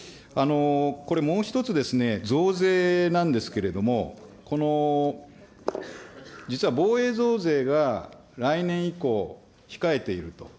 これ、もう一つですね、増税なんですけれども、この実は防衛増税が来年以降、控えている。